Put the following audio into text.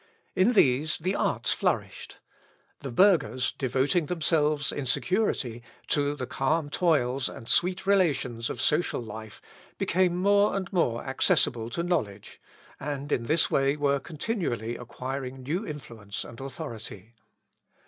In these arts flourished. The burghers, devoting themselves in security to the calm toils and sweet relations of social life, became more and more accessible to knowledge, and in this way were continually acquiring new influence and authority.